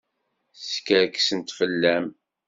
Skerksent fell-am.